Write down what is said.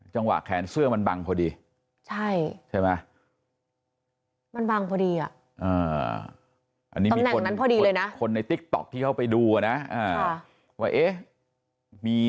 จังหวะแขนเสื้อมันบังพอดี